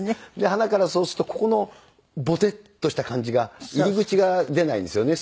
はなからそうするとここのボテッとした感じが入り口が出ないんですよね